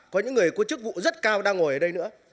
có những người có chức vụ rất cao đang ngồi ở đây nữa